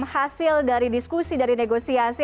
hasil dari diskusi dari negosiasi